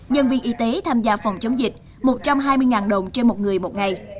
nhân viên y tế tham gia phòng chống dịch một trăm hai mươi đồng trên một người một ngày